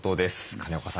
金岡さん